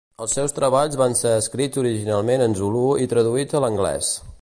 Els seus treballs van ser escrits originalment en zulu i traduïts a l'anglès.